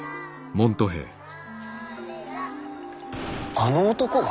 あの男が？